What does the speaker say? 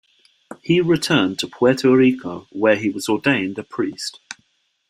He returned to Puerto Rico where he was ordained a priest.